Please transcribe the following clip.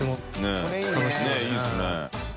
佑いいですね。